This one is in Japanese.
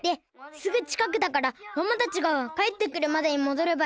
すぐ近くだからママたちが帰ってくるまでにもどればいい。